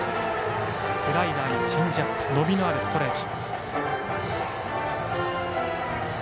スライダーにチェンジアップ伸びのあるストレート。